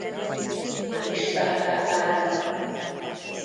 István pápának.